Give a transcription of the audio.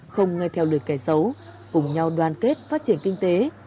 không nghe theo lời kẻ xấu cùng nhau đoàn kết phát triển kinh tế